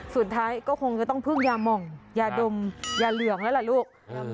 สุดท้ายก็คงจะต้องพึ่งยาหม่องยาดมยาเหลืองแล้วล่ะลูก